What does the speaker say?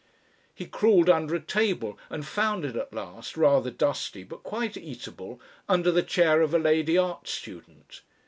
He crawled under a table and found it at last, rather dusty but quite eatable, under the chair of a lady art student.